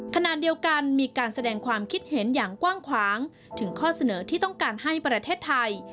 ขณะเดียวกันมีการแสดงความคิดเห็นอย่างกว้างขวางถึงข้อเสนอที่ต้องการให้ประเทศไทย